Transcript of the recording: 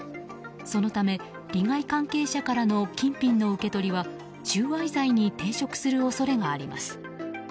そのため利害関係者からの金品の受け取りは収賄罪に抵触する恐れがあります。